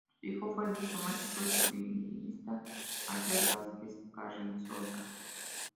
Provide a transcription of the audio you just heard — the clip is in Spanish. Su hijo fue el diplomático y jurista Alfredo Vázquez Carrizosa.